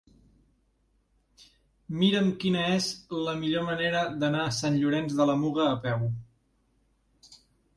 Mira'm quina és la millor manera d'anar a Sant Llorenç de la Muga a peu.